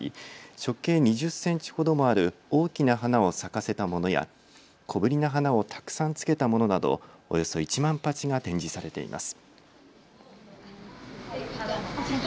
直径２０センチほどもある大きな花を咲かせたものや小ぶりな花をたくさんつけたものなどおよそ１万鉢が展示されています。